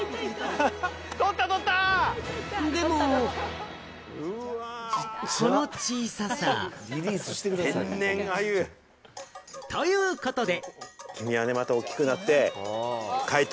でも、この小ささ。ということで。